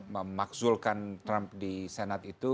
memakzulkan trump di senat itu